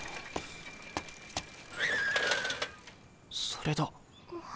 それだ。